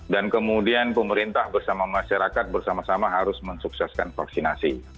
dan kemudian pemerintah bersama masyarakat bersama sama harus mensukseskan vaksinasi